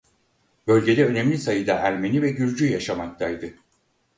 Bölgede önemli sayıda Ermeni ve Gürcü yaşamaktaydı.